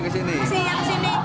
ngungsi yang ke sini